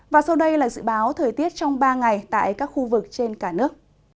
và sau đây là dự báo thời tiết trong ba ngày tại các khu vực trên cả nước